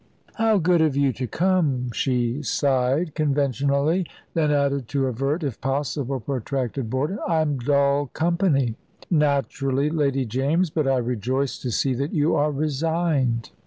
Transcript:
"How good of you to come!" she sighed conventionally; then added, to avert, if possible, protracted boredom, "I'm dull company." "Naturally, Lady James; but I rejoice to see that you are resigned."